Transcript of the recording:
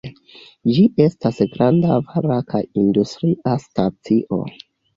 Ĝi estas granda vara kaj industria stacio.